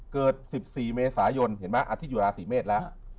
เกิด๑๔เมษายนอาทิตยุราสี่เมตรแล้ว